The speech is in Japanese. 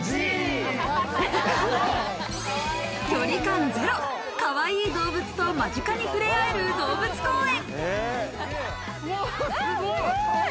距離感ゼロ、かわいい動物と間近に触れ合える動物公園。